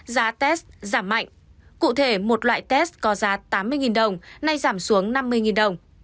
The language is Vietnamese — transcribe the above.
giá test giảm mạnh cụ thể một loại test có giá tám mươi đồng nay giảm xuống năm mươi đồng